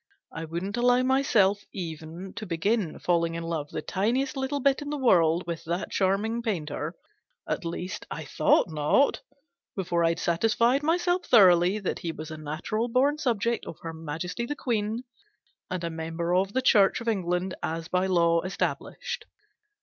I wouldn't allow myself, even, to begin falling in love the tiniest little bit in the world with that charming painter at least, I thought not before I'd satisfied myself thoroughly that he was a natural born subject of her Majesty the Queen, and a member of the Church of England as by law established.